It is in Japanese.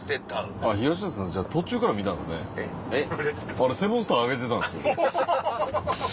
あれセブンスターあげてたんです。